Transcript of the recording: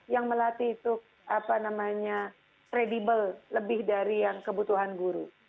yang melatih itu apa namanya kredibel lebih dari yang kebutuhan guru